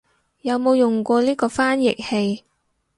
有冇用過呢個翻譯器